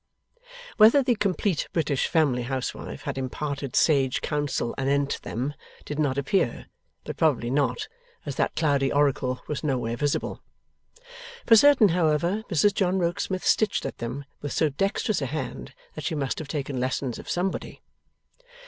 Whether the Complete British Family Housewife had imparted sage counsel anent them, did not appear, but probably not, as that cloudy oracle was nowhere visible. For certain, however, Mrs John Rokesmith stitched at them with so dexterous a hand, that she must have taken lessons of somebody.